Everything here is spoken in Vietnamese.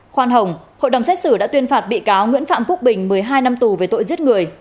khoan hồng hội đồng xét xử đã tuyên phạt bị cáo nguyễn phạm quốc bình một mươi hai năm tù về tội giết người